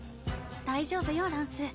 大丈夫よランス。